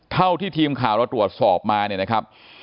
เท่าที่ทีมข่าวเราตรวจสอบมา